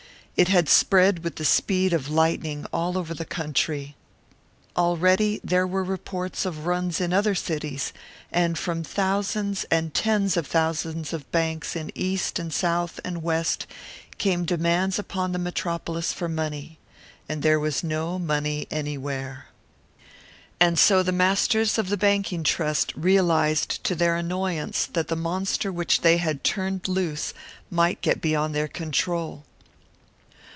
It had spread with the speed of lightning all over the country; already there were reports of runs in other cities, and from thousands and tens of thousands of banks in East and South and West came demands upon the Metropolis for money. And there was no money anywhere. And so the masters of the Banking Trust realised to their annoyance that the monster which they had turned loose might get beyond their control.